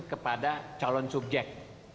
kepada calon subjek